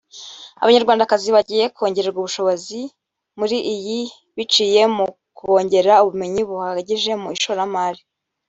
Abanyarwandakazi bagiye kongererwa ubushobozi muri iyi biciye ku kubongerera ubumenyi buhagije mu ishoramari